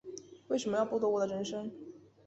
为什么要剥夺我的人生